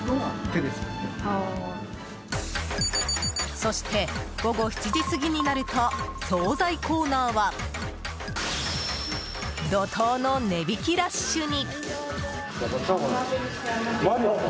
そして午後７時過ぎになると総菜コーナーは怒涛の値引きラッシュに。